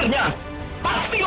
pertempuran surabaya menangkan pilihan